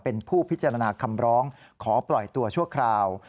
เป็นผู้พิจารณาคำร้องขอปล่อยตัวชั่วคราว